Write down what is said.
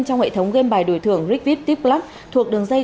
trong hệ thống game bài đổi thường rigvip tipclub thuộc đường dây